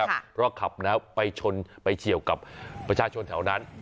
เพราะขับแล้วไปชนไปเฉียวกับประชาชนแถวนั้น